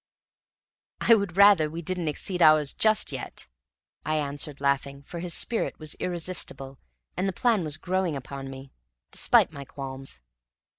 "I would rather we didn't exceed ours just yet," I answered laughing, for his spirit was irresistible, and the plan was growing upon me, despite my qualms.